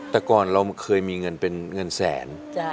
แต่ก่อนเราเคยมีเงินเป็นเงินแสน